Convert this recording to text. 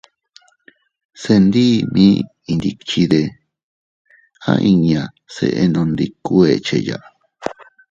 —Se ndii mii ndikchide— aʼa inñnaʼa—, se enondikuu echeya.